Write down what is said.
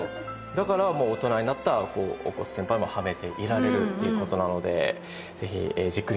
だからもう大人になった乙骨先輩もはめていられるっていうことなので。